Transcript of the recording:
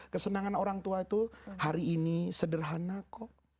kesenangan orang tua itu hari ini sederhana kok